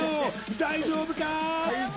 大丈夫か？